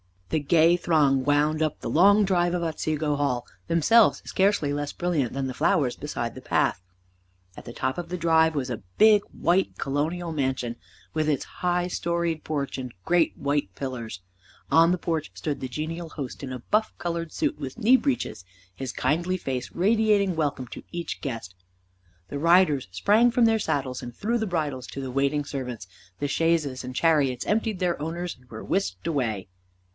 The gay throng wound up the long drive of Otsego Hall, themselves scarcely less brilliant than the flowers beside the path. At the top of the drive was the big, white colonial mansion, with its high storied porch and great white pillars. On the porch stood the genial host in a buff colored suit with knee breeches, his kindly face radiating welcome to each guest. The riders sprang from their saddles and threw the bridles to the waiting servants, the chaises and the chariots emptied their owners and were whisked away.